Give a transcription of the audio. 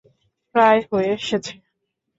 প্রায় হয়ে এসেছে!